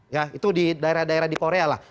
ya itu di daerah daerah di korea lah